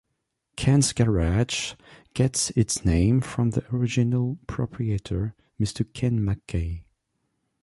Ken's Garage gets its name from the original proprietor Mr Ken Mackay.